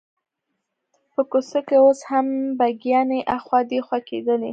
په کوڅه کې اوس هم بګیانې اخوا دیخوا کېدلې.